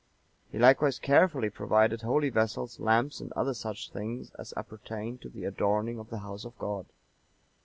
He likewise carefully provided holy vessels, lamps, and other such things as appertain to the adorning of the house of God.